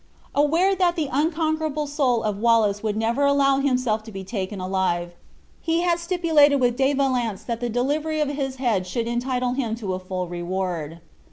Aware that the unconquerable soul of Wallace would never allow himself to be taken alive, he had stipulated with De Valence that the delivery of his head should entitle him to a full reward.